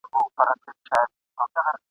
همدارنګه د یوه نارینه